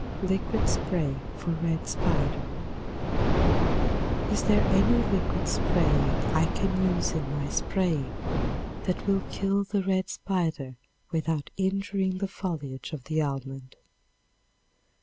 Liquid Spray for Red Spider. Is there any liquid spray I can use in my spraying that will kill the red spider without injuring the foliage of the almond?